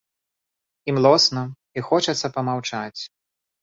І млосна, і хочацца памаўчаць.